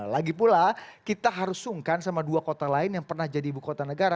lagi pula kita harus sungkan sama dua kota lain yang pernah jadi ibu kota negara